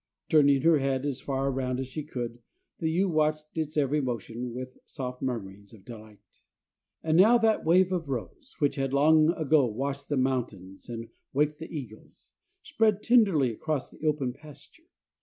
Turning her head as far around as she could, the ewe watched its every motion with soft murmurings of delight. And now that wave of rose, which had long ago washed the mountain and waked the eagles spread tenderly across the open pasture.